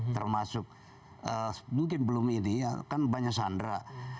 termasuk mungkin belum ini kan banyak sandra